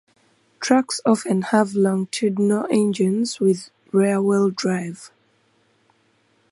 Trucks often have longitudinal engines with rear-wheel drive.